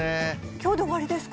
きょうで終わりですか？